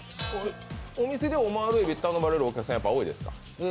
お店でオマール海老を頼まれるお客さん、多いですか？